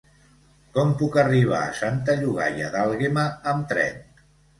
Com puc arribar a Santa Llogaia d'Àlguema amb tren?